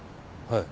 はい。